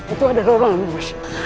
itu ada orang mas